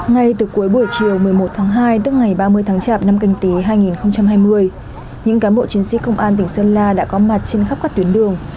ngay từ cuối buổi chiều một mươi một tháng hai tức ngày ba mươi tháng chạp năm canh tí hai nghìn hai mươi những cán bộ chiến sĩ công an tỉnh sơn la đã có mặt trên khắp các tuyến đường